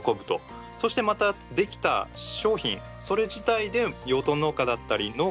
そしてまた出来た商品それ自体で養豚農家だったり農家が喜ぶと。